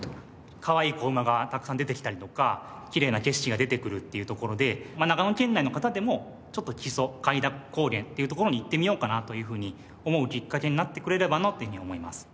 かわいい子馬がたくさん出てきたりとかきれいな景色が出てくるっていうところで長野県内の方でも木曽開田高原っていう所に行ってみようかなというふうに思うきっかけになってくれればなというふうに思います。